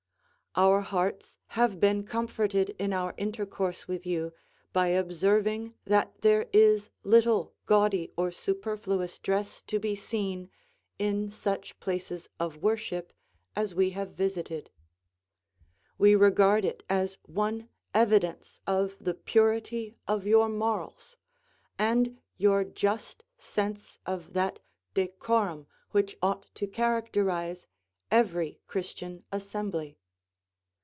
Our hearts have been comforted in our intercourse with you, by observing that there is little gaudy or superfluous dress to be seen, in such places of worship as we have visited; we regard it as one evidence of the purity of your morals, and your just sense of that decorum which ought to characterise every Christian assembly.